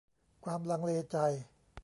ความลังเลใจ